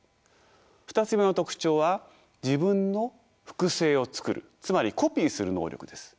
２つ目の特徴は自分の複製を作るつまりコピーする能力です。